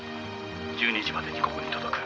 １２時までにここに届く」「」